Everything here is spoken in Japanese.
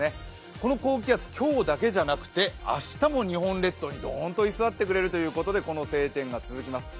この高気圧、強だけじゃなくて明日も日本列島にどんと居座ってくれるということでこの晴天が続きます。